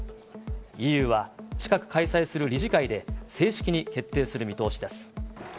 ＥＵは、近く開催する理事会で正式に決定する見通しです。